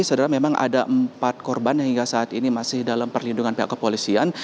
saudara memang ada empat korban yang hingga saat ini masih dalam perlindungan pihak kepolisian